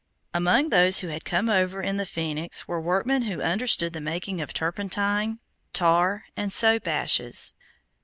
Among those who had come over in the Phoenix were workmen who understood the making of turpentine, tar and soap ashes.